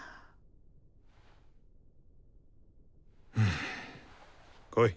ん来い。